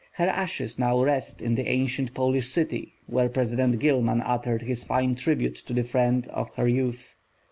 Her ashes now rest in the ancient Polish city where President Gilman uttered his fine tribute to the friend of her youth.